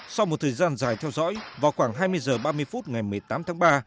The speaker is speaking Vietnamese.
sau một thời gian dài theo dõi vào khoảng hai mươi h ba mươi phút ngày một mươi tám tháng ba